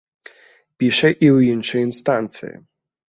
Піша і ў іншыя інстанцыі.